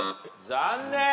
残念！